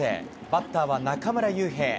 バッターは中村悠平。